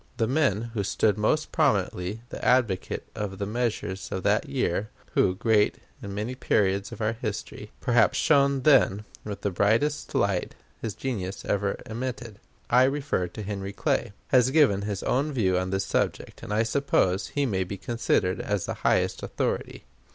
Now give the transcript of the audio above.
The man who stood most prominently the advocate of the measures of that year, who, great in many periods of our history, perhaps shone then with the brightest light his genius ever emitted I refer to Henry Clay has given his own view on this subject; and I suppose he may be considered as the highest authority.